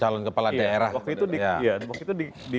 waktu itu di